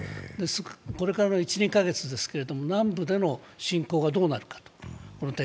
これからの１２カ月ですけれども南部での展開がどうなるか。